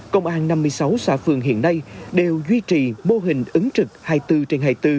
công an năm mươi sáu xã phường hiện nay đều duy trì mô hình ứng trực hai mươi bốn trên hai mươi bốn